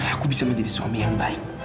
aku bisa menjadi suami yang baik